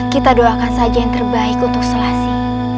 kita doakan saja yang terbaik untuk selasi